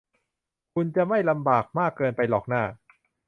คุณจะไม่ลำบากมากเกินไปหรอกน่า